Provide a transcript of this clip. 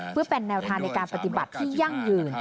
เพื่อเป็นแนวทางในการปฏิบัติที่ยั่งยืน